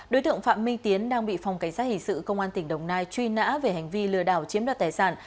đối tượng phạm minh tiến đang bị phòng cảnh sát hình sự công an tỉnh đồng nai truy nã về hành vi lừa đảo chiếm đoạt tài sản